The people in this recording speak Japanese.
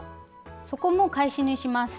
そこも返し縫いします。